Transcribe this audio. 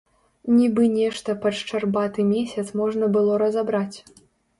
Нібы нешта пад шчарбаты месяц можна было разабраць.